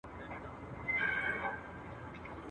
شنه به له خندا سي وايي بله ورځ !.